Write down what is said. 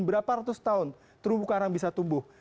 berapa ratus tahun terumbu karang bisa tumbuh